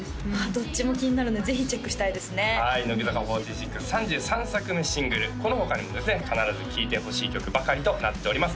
どっちも気になるんでぜひチェックしたいですねはい乃木坂４６３３作目シングルこの他にもですね必ず聴いてほしい曲ばかりとなっております